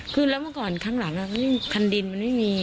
คือแล้วเมื่อก่อนข้างหลังคันดินมันไม่มี